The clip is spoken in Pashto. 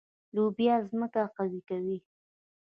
لوبیا ځمکه قوي کوي.